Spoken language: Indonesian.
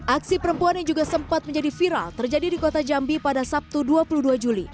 aksi perempuan yang juga sempat menjadi viral terjadi di kota jambi pada sabtu dua puluh dua juli